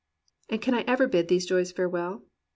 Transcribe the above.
"And can I ever bid these joys farewell?